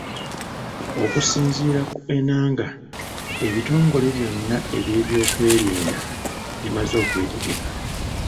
Okusinziira ku Enanga, ebitongole byonna eby'ebyokwerinda bimaze okwetegeka